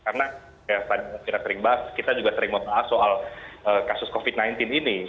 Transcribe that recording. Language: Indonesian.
karena seperti elvira sering bahas kita juga sering memotong soal kasus covid sembilan belas ini